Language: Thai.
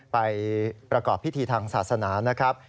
ไปประกอบพิธีทางศาสนานะครับ